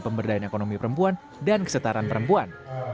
pemberdayaan ekonomi perempuan dan kesetaraan perempuan